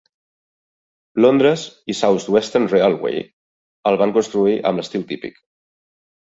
Londres i South Western Railway el van construir amb l'estil típic.